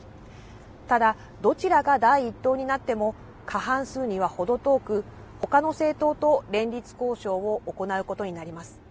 ただ、どちらが第１党になっても過半数には程遠く、ほかの政党と連立交渉を行うことになります。